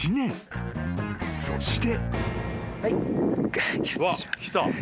［そして］